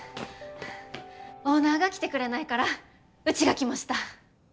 オーナーが来てくれないからうちが来ました。